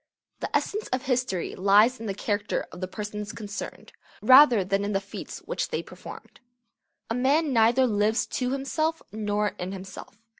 The essence of history lies in the character of the persons concerned, rather than in the feats which they performed. A man neither lives to himself nor in himself.